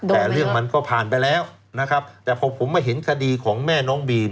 แต่เรื่องมันก็ผ่านไปแล้วนะครับแต่พอผมมาเห็นคดีของแม่น้องบีม